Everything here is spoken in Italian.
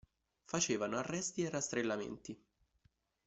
Facevano arresti e rastrellamenti.